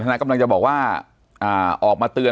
ปากกับภาคภูมิ